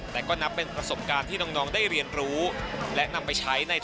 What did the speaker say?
แล้วก็ได้มาเชียร์ด้วยแล้วก็มาศึกษาครับ